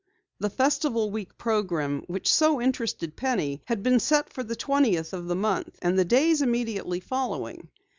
The Festival Week program which so interested Penny had been set for the twentieth of the month and the days immediately following.